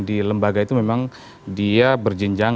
di lembaga itu memang dia berjenjang